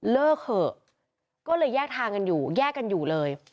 เลิกเถอะก็เลยแยกทางกันอยู่แยกกันอยู่เลย